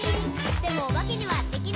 「でもおばけにはできない。」